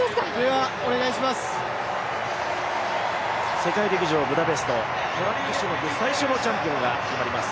世界陸上ブダペストトラック種目最初のチャンピオンが決まります。